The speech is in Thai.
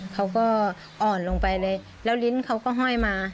เขาก็อ่อนลงไปเลยแล้วลิ้นเขาก็ห้อยมา